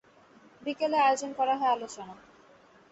বিকেলে আয়োজন করা হয় আলোচনা।